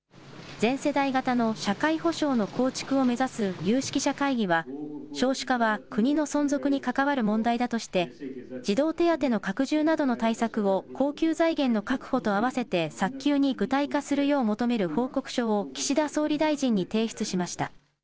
全世代型の社会保障の構築を目指す有識者会議は、少子化は国の存続に関わる問題だとして、児童手当の拡充などの対策を恒久財源の確保とあわせて早急に具体化するよう求める報告書を岸田総理大臣に提出しました。